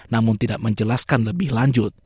namun tidak menjelaskan lebih lanjut